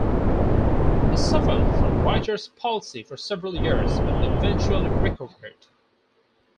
He suffered from writers' palsy for several years, but eventually recovered.